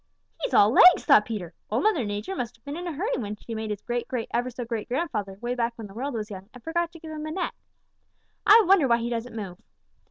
"He's all legs," thought Peter. "Old Mother Nature must have been in a hurry when she made his great great ever so great grandfather way back when the world was young and forgot to give him a neck. I wonder why he doesn't move."